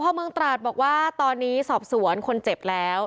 พอเมืองตราดบอกว่าตอนนี้สอบสวนคนเจ็บแล้ว